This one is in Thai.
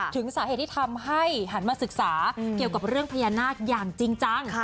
ถึงสาเหตุที่ทำให้หันมาศึกษาเกี่ยวกับเรื่องพญานาคอย่างจริงจัง